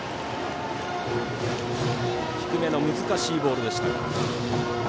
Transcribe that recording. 低めの難しいボールでしたが。